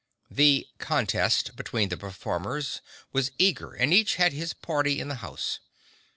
The "contest" between the performers, was eager and each had his party in the house.